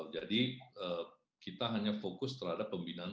jadi kita hanya fokus terhadap kepentingan kita